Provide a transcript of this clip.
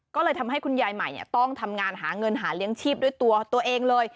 ก็เลยทำให้คุณยายใหม่ต้องทำงานหาเงินหาเลี้ยงชีพด้วยตัวตัวเองเลย